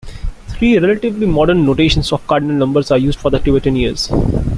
Three relatively modern notations of cardinal numbers are used for Tibetan years.